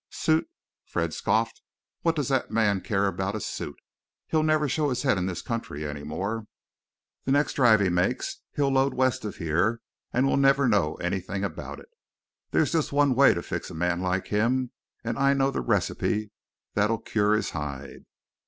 "Suit!" Fred scoffed; "what does that man care about a suit? He'll never show his head in this country any more, the next drive he makes he'll load west of here and we'll never know anything about it. There's just one way to fix a man like him, and I know the receipt that'll cure his hide!"